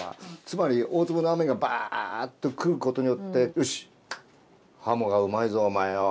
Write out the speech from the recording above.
つまり大粒の雨がバッと来ることによって「よし鱧がうまいぞお前よ。